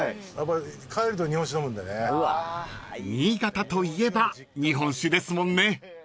［新潟といえば日本酒ですもんね］